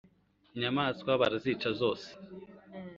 inyamaswa barazica zose